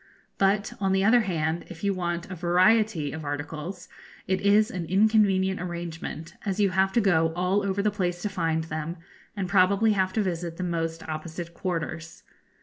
But, on the other hand, if you want a variety of articles, it is an inconvenient arrangement, as you have to go all over the place to find them, and probably have to visit the most opposite quarters.